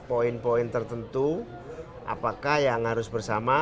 poin poin tertentu apakah yang harus bersama